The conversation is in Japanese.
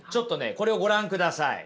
これをご覧ください。